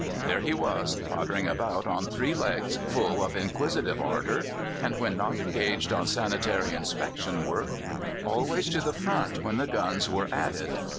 There he was, pottering about on three legs, full of inquisitive ardour, and when not engaged on sanitary inspection work, always to the front when the guns were at it.